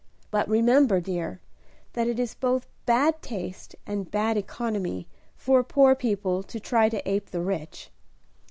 But remember, dear, that it is both bad taste and bad economy for poor people to try to ape the rich."